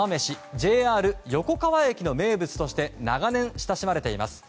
ＪＲ横川駅の名物として長年親しまれています。